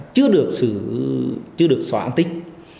chưa được xóa an tích